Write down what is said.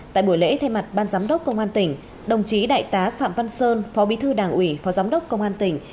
tại buổi lễ thay mặt ban giám đốc công an tỉnh đồng chí đại tá phạm văn sơn phó bí thư đảng ủy phó giám đốc công an tỉnh